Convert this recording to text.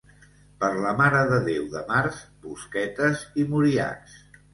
Per la Mare de Déu de març bosquetes i muriacs.